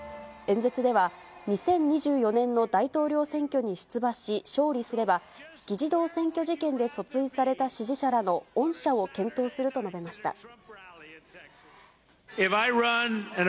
演説では、２０２４年の大統領選挙に出馬し勝利すれば、議事堂占拠事件で訴追された支持者らの恩赦を検討すると述べました。